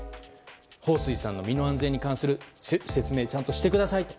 ホウ・スイさんの身の安全に関する説明をちゃんとしてくださいと。